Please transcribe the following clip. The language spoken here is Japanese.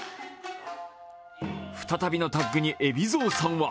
再びのタッグに海老蔵さんは